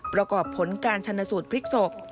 ประกอบผลการชนสูตรพลิกศพ